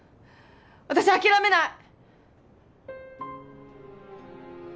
私諦めない！